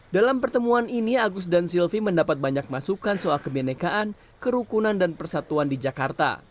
dalam pertemuan ini agus dan silvie mendapat banyak masukan soal kebenekaan kerukunan dan persatuan di jakarta